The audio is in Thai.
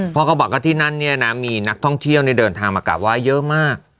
พ่อก็บอกก็ที่นั่นน่ะมีนักท่องเที่ยวในเดินทางมากราบไหว้เยอะมาก